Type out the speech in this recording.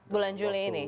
bulan juli ini